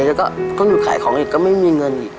แล้วก็ต้องหยุดขายของอีกก็ไม่มีเงินอีก